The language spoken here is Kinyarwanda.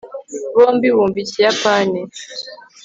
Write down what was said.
bombi bumva ikiyapani